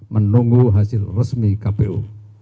menunggu hasil resmi kpu